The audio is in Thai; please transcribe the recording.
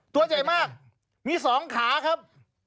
ตัวใหญ่มากมี๒ขาครับ